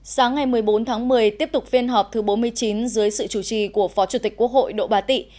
sáng ngày một mươi bốn tháng một mươi tiếp tục phiên họp thứ bốn mươi chín dưới sự chủ trì của phó chủ tịch quốc hội độ bà tị